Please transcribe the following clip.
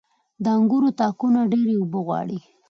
• د انګورو تاکونه ډيرې اوبه غواړي.